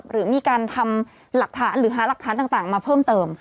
หรือมีการทำหลักฐานหรือหาหลักฐานต่างมาเพิ่มเติม